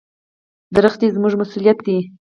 ونې زموږ مسؤلیت دي.